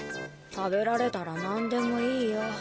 食べられたら何でもいいよ。